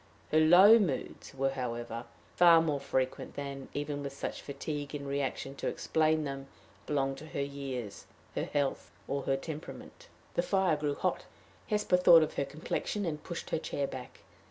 Her low moods were, however, far more frequent than, even with such fatigue and reaction to explain them, belonged to her years, her health, or her temperament. The fire grew hot. Hesper thought of her complexion, and pushed her chair back.